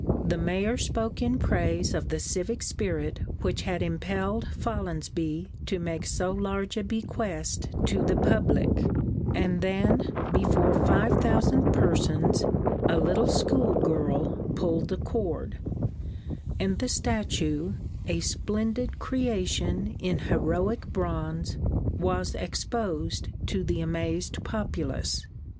The mayor spoke in praise of the civic spirit which had impelled Follonsby to make so large a bequest to the public; and then, before five thousand persons, a little schoolgirl pulled the cord, and the statue, a splendid creation in heroic bronze, was exposed to the amazed populace.